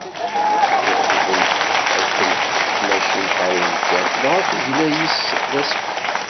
Uqbel ad d-telḥeq tmacint ɣer umkan, dɣa tegla yis-s d asfel.